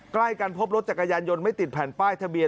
ใกล้กันพบรถจักรยานยนต์ไม่ติดแผ่นป้ายทะเบีย